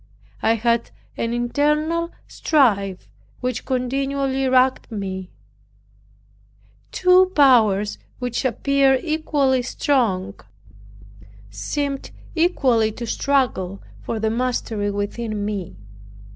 I had an internal strife, which continually racked me two powers which appeared equally strong seemed equally to struggle for the mastery within me.